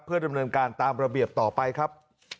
เพื่อดำเนินการตามระเบียบต่อไปครับ